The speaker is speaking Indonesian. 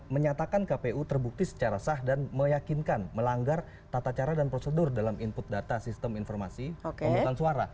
menyatakan kpu terbukti secara sah dan meyakinkan melanggar tata cara dan prosedur dalam input data sistem informasi pemutusan suara